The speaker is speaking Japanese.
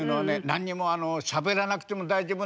何にもしゃべらなくても大丈夫なの。